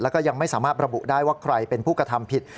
แล้วก็ยังไม่สามารถระบุได้ว่าใครเป็นผู้กระทำผิด